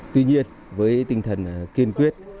tuy nhiên với tinh thần kiên quyết